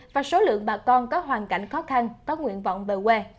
và số lượng bà con có hoàn cảnh khó khăn có nguyện vọng về quê